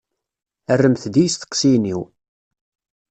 Rremt-d i yisteqsiyen-iw.